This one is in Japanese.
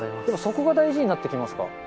でもそこが大事になってきますか。